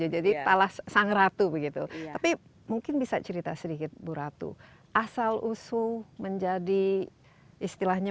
jadi talas sang ratu begitu tapi mungkin bisa cerita sedikit bu ratu asal usul menjadi istilahnya